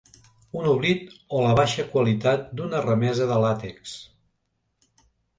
Un oblit o la baixa qualitat d'una remesa de làtex.